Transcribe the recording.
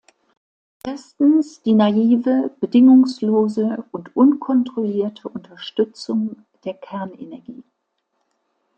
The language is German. Erstens die naive, bedingungslose und unkontrollierte Unterstützung der Kernenergie.